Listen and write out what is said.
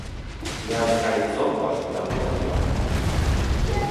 Я з айцом вашым даўно не бачыўся.